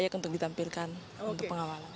layak untuk ditampilkan untuk pengawalan